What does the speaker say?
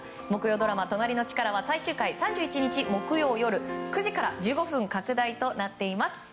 木曜ドラマ「となりのチカラ」最終回は３１日木曜、夜９時から１５分拡大となっています。